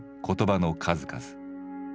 言葉の数々。